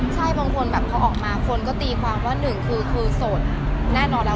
ใช่บางคนแบบพอออกมาคนก็ตีความว่าหนึ่งคือโสดแน่นอนแล้ว